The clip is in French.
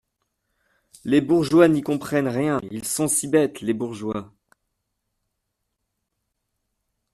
… les bourgeois n'y comprennent rien … ils sont si bêtes, les bourgeois !